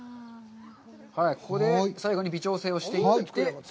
ここで最後に微調整をしていって。